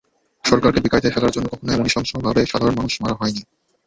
সরকারকে বেকায়দায় ফেলার জন্য কখনো এমন নৃশংসভাবে সাধারণ মানুষ মারা হয়নি।